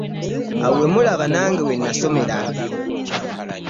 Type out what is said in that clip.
Awo we mulaba nange we nasomera.